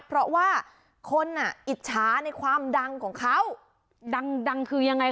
เพราะว่าคนอ่ะอิจฉาในความดังของเขาดังดังคือยังไง